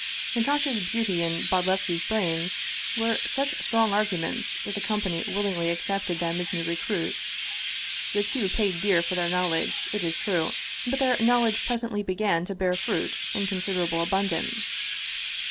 Natasha's beauty and Bodlevski's brains were such strong arguments that the company willingly accepted them as new recruits. The two paid dear for their knowledge, it is true, but their knowl edge presently began to bear fruit in considerable abun dance.